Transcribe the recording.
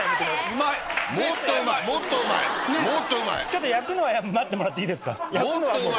ちょっと焼くのは待ってもらっていいですか。